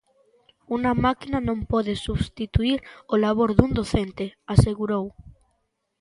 "Unha máquina non pode substituír o labor dun docente", asegurou.